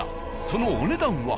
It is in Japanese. そのお値段は？